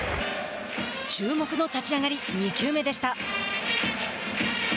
注目の立ち上がり、２球目でした。